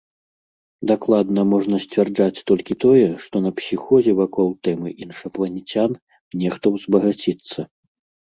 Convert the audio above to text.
Дакладна можна сцвярджаць толькі тое, што на псіхозе вакол тэмы іншапланецян нехта ўзбагаціцца.